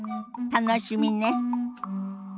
楽しみね。